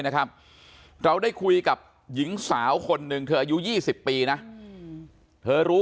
นะครับเราได้คุยกับหญิงสาวคนหนึ่งเธออายุ๒๐ปีนะเธอรู้